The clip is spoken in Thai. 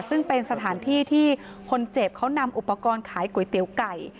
ซึ่งเป็นสถานที่ที่คนเจ็บเขานำอุปกรณ์ขายก๋วยเตี๋ยวไก่